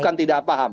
bukan tidak paham